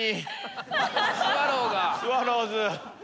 スワローズ。